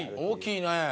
大きいね！